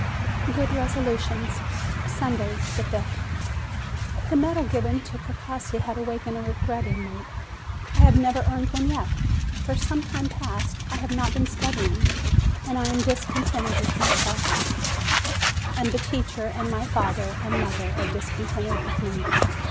GOOD RESOLUTIONS Sunday, 5th. The medal given to Precossi has awakened a regret in me. I have never earned one yet ! For some time past I have not been studying, and I am discon tented with myself; and the teacher, and my father GOOD RESOLUTIONS 119 and mother are discontented with me.